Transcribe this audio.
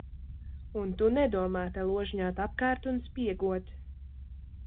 Un tu nedomā te ložņāt apkārt un spiegot.